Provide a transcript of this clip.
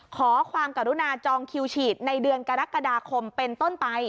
ขอความกรุณาจองคิวฉีดในเดือนกรกฎาคมเป็นต้นไป